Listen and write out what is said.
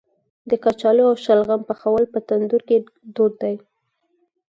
د کچالو او شلغم پخول په تندور کې دود دی.